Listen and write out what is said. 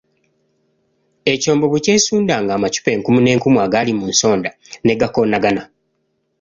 Ekyombo bwe kyesundanga amacupa enkumu n'enkumu agaali mu nsonda ne gakoonagana.